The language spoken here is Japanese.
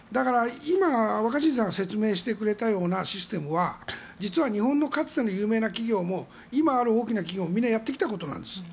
若新さんが説明したシステムはかつての有名な企業も今ある大きな企業もみんなやってきたことなんです。